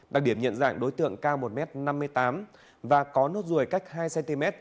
đặc điểm nhận dạng đối tượng cao một m năm mươi tám và có nốt ruồi cách hai cm